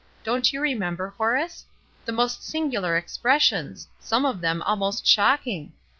Don't you remember, Horace? The most singular expressions! some of them almost shocking.